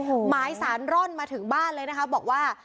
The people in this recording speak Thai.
โอ้โหไม้สานร่อนมาถึงบ้านเลยนะคะบอกว่า